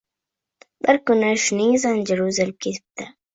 Bir kun shuning zanjiri uzilib ketibdi